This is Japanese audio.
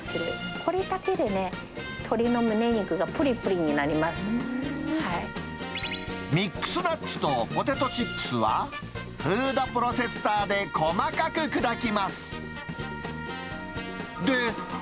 これだけでね、ミックスナッツとポテトチップスは、フードプロセッサーで細かく砕きます。